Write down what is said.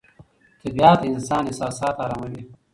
طبیعت د انسان احساسات اراموي